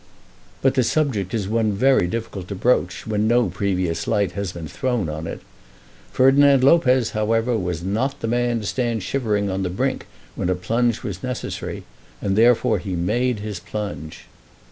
But the subject is one very difficult to broach when no previous light has been thrown on it. Ferdinand Lopez, however, was not the man to stand shivering on the brink when a plunge was necessary, and therefore he made his plunge.